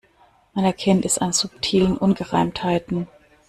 Man erkennt es an subtilen Ungereimtheiten.